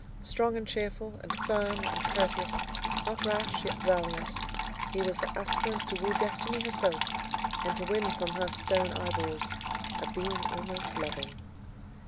Strong and cheerful, and firm and courteous; not rash, yet valiant; he was the aspirant to woo Destiny herself, and to win from her stone eyeballs a beam almost loving.